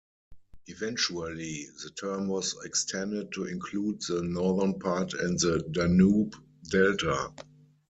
Eventually, the term was extended to include the northern part and the Danube Delta.